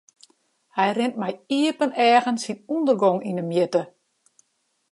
Hy rint mei iepen eagen syn ûndergong yn 'e mjitte.